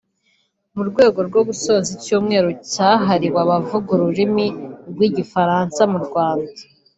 mu rwego rwo gusoza icyumweru cyahariwe abavuga ururimi rw’igifaransa mu Rwanda